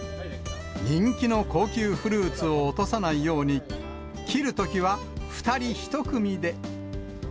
人気の高級フルーツを落とさないように、切るときは、２人１組で。